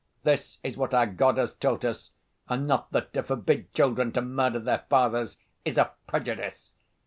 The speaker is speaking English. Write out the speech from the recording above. This is what our God has taught us and not that to forbid children to murder their fathers is a prejudice.